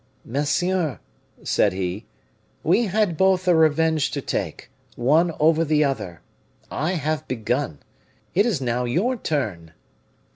"Monsieur," said he, "we had both a revenge to take, one over the other. I have begun; it is now your turn!"